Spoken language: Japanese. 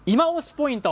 ポイント